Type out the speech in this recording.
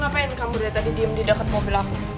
ngapain kamu udah tadi diem di deket mobil aku